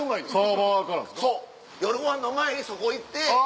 夜ご飯の前にそこ行って。